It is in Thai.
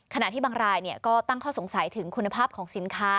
ขณะที่บางรายก็ตั้งข้อสงสัยถึงคุณภาพของสินค้า